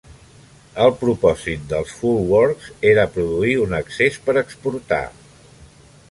El propòsit dels folwarks era produir un excés per exportar.